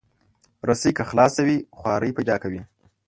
رسۍ که خلاصه وي، خواری پیدا کوي.